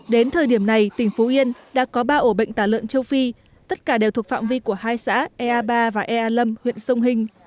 đến thời điểm này tỉnh phú yên đã có ba ổ bệnh tả lợn châu phi tất cả đều thuộc phạm vi của hai xã ea ba và ea lâm huyện sông hình